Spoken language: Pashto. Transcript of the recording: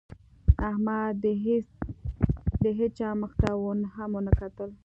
احمد د هېڅا مخ ته هم ونه کتل.